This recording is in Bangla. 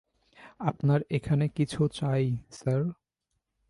আপনার এখানে কিছু চাই, স্যার?